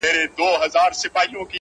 دوى خو ـ له غمه څه خوندونه اخلي ـ